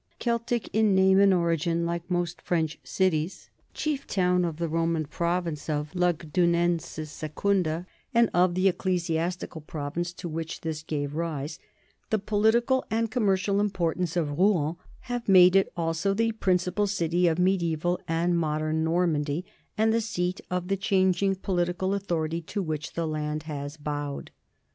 Celtic in name and origin, like most French cities, chief town of the Roman province of Lugdunensis Secunda and of the ecclesiastical province to which this gave rise, the politi cal and commercial importance of Rouen have made it also the principal city of mediaeval and modern Nor mandy and the seat of the changing political authority to which the land has bowed.